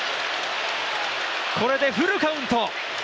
これでフルカウント。